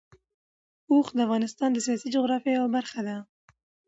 اوښ د افغانستان د سیاسي جغرافیه یوه برخه ده.